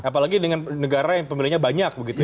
apalagi dengan negara yang pemilihnya banyak begitu ya